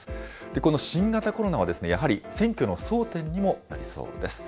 この新型コロナは、やはり選挙の争点にもなりそうです。